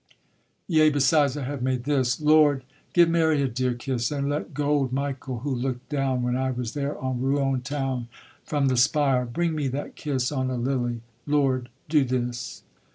_ Yea, besides, I have made this: _Lord, give Mary a dear kiss, And let gold Michael, who looked down, When I was there, on Rouen town From the spire, bring me that kiss On a lily! Lord do this!